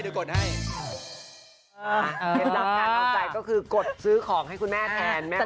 เหตุสัมผัสน้อยคือกดซื้อของให้คุณแม่แทน